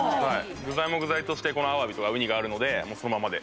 具材も具材としてアワビとかウニがあるのでそのままで。